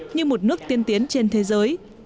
như một nước tiên tiến trên thế giới